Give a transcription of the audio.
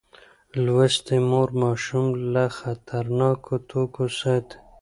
لوستې مور ماشوم له خطرناکو توکو ساتي.